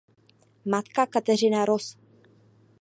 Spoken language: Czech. Matka Kateřina roz.